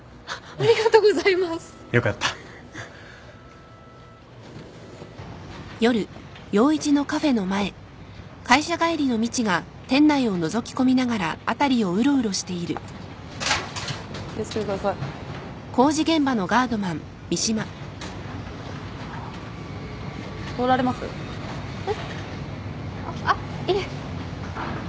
あっいえ。